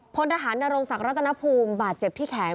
พลทหารนรงศักดิรัตนภูมิบาดเจ็บที่แขน